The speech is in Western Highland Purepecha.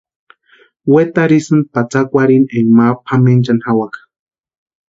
Wetarhisïnti patsakwarhini énka ma pʼamenchani jawaka.